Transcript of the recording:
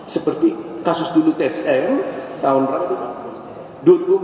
seperti kasus dulu tsm tahun berapa dulu